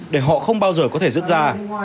để họ không bao giờ có thể rứt ra